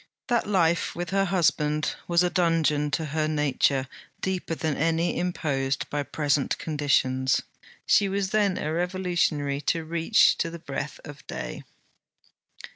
That life with her husband was a dungeon to her nature deeper than any imposed by present conditions. She was then a revolutionary to reach to the breath of day.